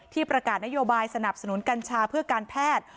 ประกาศนโยบายสนับสนุนกัญชาเพื่อการแพทย์